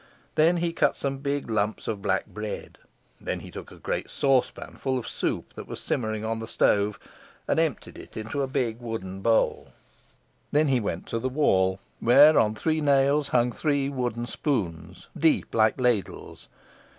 Then he cut some big lumps of black bread. Then he took a great saucepan full of soup, that was simmering on the stove, and emptied it into a big wooden bowl. Then he went to the wall where, on three nails, hung three wooden spoons, deep like ladles.